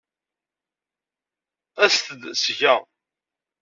Aset-d seg-a.